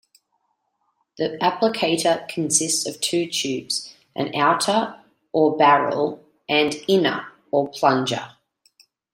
The applicator consists of two tubes, an "outer", or barrel, and "inner", or plunger.